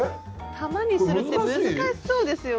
球にするって難しいそうですよだって。